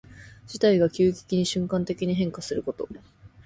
事態が急激に瞬間的に変化すること。